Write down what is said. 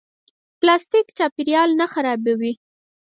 پلاستیک چاپیریال نه خرابوي